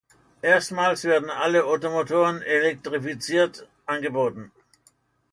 Erstmals werden alle Ottomotoren elektrifiziert angeboten.